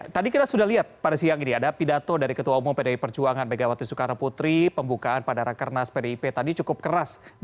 tadi kita sudah lihat pada siang ini ada pidato dari ketua umum pdi perjuangan megawati soekarno putri pembukaan pada rakernas pdip tadi cukup keras